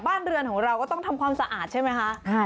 บ้านเรือนของเราก็ต้องทำความสะอาดใช่ไหมคะ